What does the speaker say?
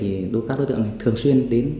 đối với các đối tượng thường xuyên đến ngủ nghỉ